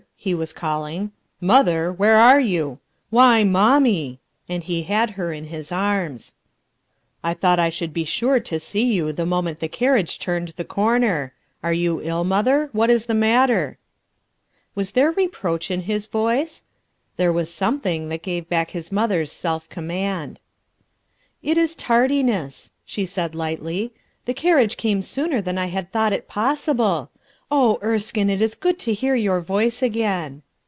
he was calling. "Mother I Where are you? Why, raommie I" and he had her in his arms* "I thought I should be sure to see you the moment the carnage turned the corner 1 Are you ill, mother ? What is the matter ?" Was there reproach in his voice ? There was something that gave back his mother's self command. "It is tardiness," she said lightly. "The carriage came sooner than I had thought it possible. Erskine, it is good to hear your voice again."